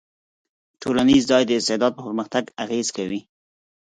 ټولنیز ځای د استعداد په پرمختګ اغېز کوي.